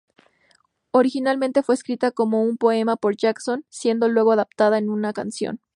Originalmente fue escrita como un poema por Jackson, siendo luego adaptada en una canción.